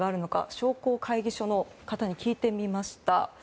商工会議所の方に聞いてみました。